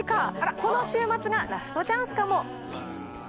この週末がラストチャンスかも。